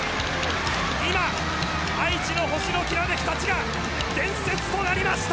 今愛知の星のきらめきたちが伝説となりました。